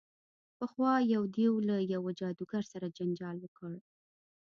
پخوا یو دیو له یوه جادوګر سره جنجال وکړ.